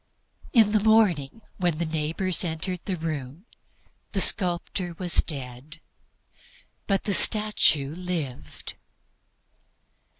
In the morning when the neighbors entered the room the sculptor was dead, but the statue was saved!